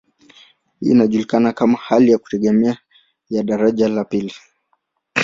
Hii inajulikana kama hali ya kutegemeana ya daraja la pili.